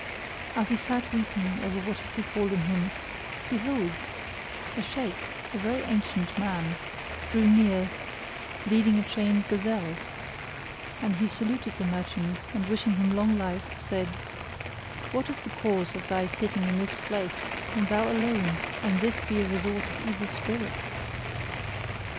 As he sat weeping over what had befallen him, behold, a Shaykh,[FN#42] a very ancient man, drew near leading a chained gazelle; and he saluted that merchant and wishing him long life said, "What is the cause of thy sitting in this place and thou alone and this be a resort of evil spirits?"